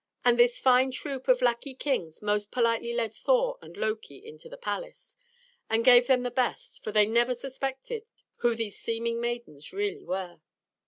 And this fine troop of lackey kings most politely led Thor and Loki into the palace, and gave them of the best, for they never suspected who these seeming maidens really were.